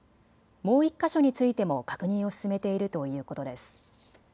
もう１か所についても確認を進めているということです。